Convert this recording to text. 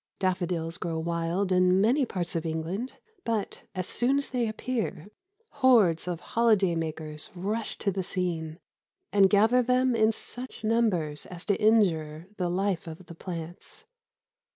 Daffodils grow wild in many parts of England, but, as soon as they appear, hordes of holiday makers rush to the scene and gather them in such numbers as to injure the life of the plants.